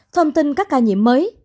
thông tin các ca nhiễm mới